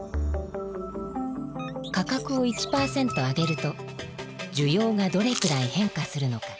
価格を１％上げると需要がどれくらい変化するのか。